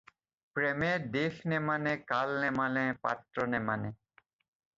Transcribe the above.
প্ৰেমে দেশ নেমানে, কাল নেমানে, পাত্ৰ নেমানে।